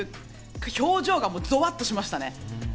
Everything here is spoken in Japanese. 表情がゾワっとしましたね。